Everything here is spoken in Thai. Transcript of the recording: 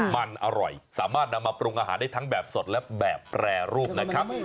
มันอร่อยสามารถนำมาปรุงอาหารได้ทั้งแบบสดและแบบแปรรูปนะครับ